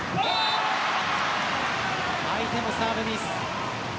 相手のサーブミス。